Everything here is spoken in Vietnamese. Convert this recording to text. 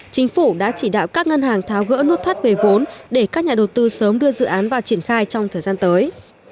chính phủ đã chỉ đạo các ngân hàng tháo gỡ nút thắt về vốn để các nhà đầu tư sớm đưa dự án vào triển khai trong thời gian tới